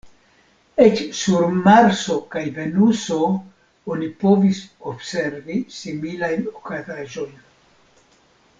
Eĉ sur Marso kaj Venuso oni povis observi similajn okazaĵojn.